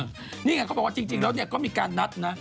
นี่ไงเขาบอกว่าจริงแล้วก็มีการนัดนะ